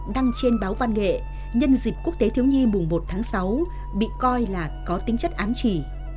đăng trên báo văn nghệ nhân dịp quốc tế thiếu nhi mùng một tháng sáu bị coi là có tính chất ám chỉ